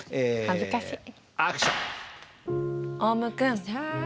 恥ずかしい。